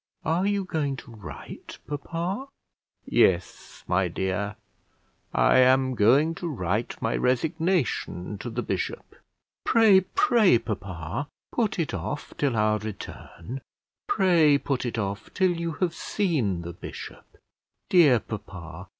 "Are you going to write, papa?" "Yes, my dear; I am going to write my resignation to the bishop." "Pray, pray, papa, put it off till our return; pray put it off till you have seen the bishop; dear papa!